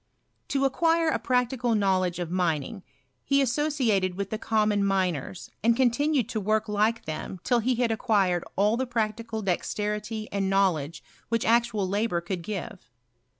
To acquire a practical knowledge of raining he asso ciated with the common miners, and continued to work like them till he had acquired all the practical dexterity and knowledge which actual labour could give.